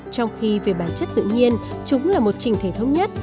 trong khi về bản chất tự nhiên chúng là một trình thể thống nhất